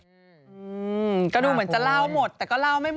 อืมก็ดูเหมือนจะเล่าหมดแต่ก็เล่าไม่หมด